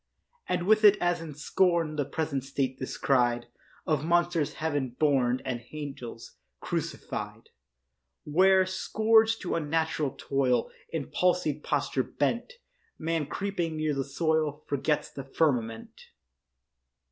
And with it as in scorn The present state descried Of monsters heaven born And angels crucify'd, Where, scourged to unnatural toil, In palsy'd posture bent, Man creeping near the soil Forgets the firmament.